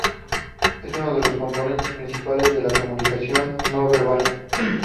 Es uno de los componentes principales de la comunicación no verbal.